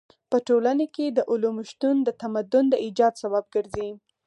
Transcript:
په ټولنه کې د علومو شتون د تمدن د ايجاد سبب ګرځي.